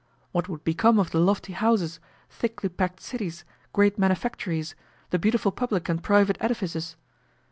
What would become of the lofty houses, thickly packed cities, great manufactories, the beautiful public and private edifices?